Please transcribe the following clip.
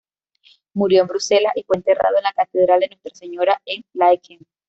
Murió en Bruselas y fue enterrado en la "Catedral de Nuestra Señora" en Laeken.